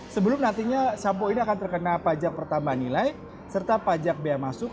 sebelum nantinya sampo ini akan terkena pajak pertambahan nilai serta pajak biaya masuk